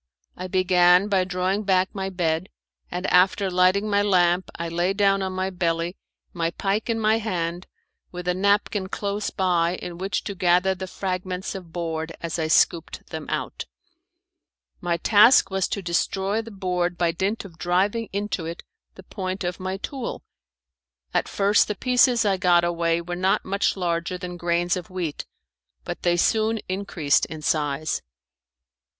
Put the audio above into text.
I began by drawing back my bed, and after lighting my lamp I lay down on my belly, my pike in my hand, with a napkin close by in which to gather the fragments of board as I scooped them out. My task was to destroy the board by dint of driving into it the point of my tool. At first the pieces I got away were not much larger than grains of wheat, but they soon increased in size.